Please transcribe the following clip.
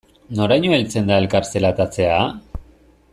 Noraino heltzen da elkar zelatatzea?